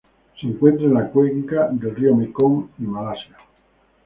Se encuentra en la cuenca del río Mekong y Malasia.